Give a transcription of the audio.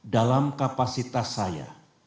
dalam kapasitas saya